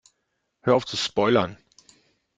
Hör auf zu spoilern!